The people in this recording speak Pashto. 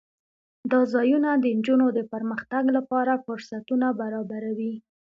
دا ځایونه د نجونو د پرمختګ لپاره فرصتونه برابروي.